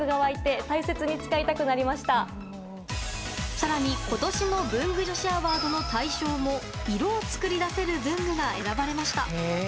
更に今年の文具女子アワードの大賞も色を作り出せる文具が選ばれました。